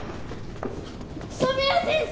染谷先生